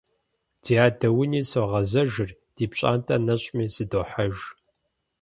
Ди адэ уни согъэзэжыр, ди пщӀантӀэ нэщӀми сыдохьэж.